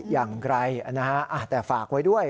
อย่างไรนะฮะแต่ฝากไว้ด้วย